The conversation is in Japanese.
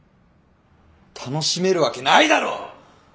楽しめるわけないだろ！